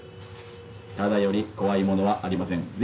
タダより怖いものはありません。